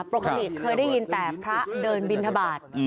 ปกติเคยได้ยินแต่พระเดินบินทบาท